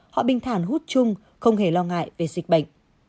họ binh thản hút chung không hề lo ngại về dịch bệnh